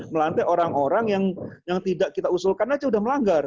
melantik orang orang yang tidak kita usulkan aja sudah melanggar